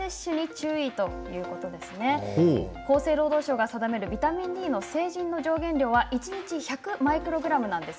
厚生労働省が定めるビタミンＤの成人の上限量は一日１００マイクログラムです。